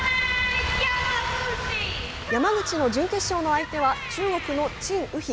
山口の準決勝の相手は、中国の陳雨菲。